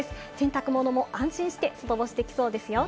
洗濯物も安心して外干しできそうですよ。